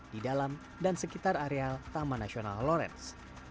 di dalam dan sekitar areal taman nasional lawrence